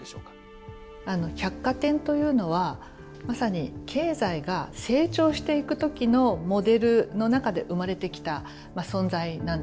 あの百貨店というのはまさに経済が成長していく時のモデルの中で生まれてきた存在なんですね。